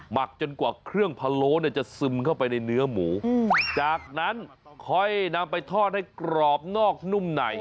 จนกว่าเครื่องพะโล้เนี่ยจะซึมเข้าไปในเนื้อหมูจากนั้นค่อยนำไปทอดให้กรอบนอกนุ่มใน